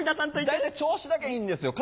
大体調子だけいいんですよ。